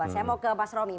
saya mau ke mas romi